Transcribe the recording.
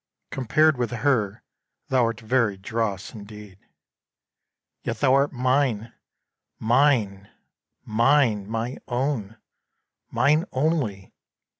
Compared with her thou'rt very dross indeed. Yet thou art mine! mine! mine! my own! Mine only!